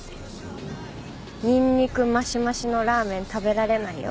ニンニクマシマシのラーメン食べられないよ。